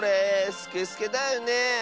スケスケだよねえ。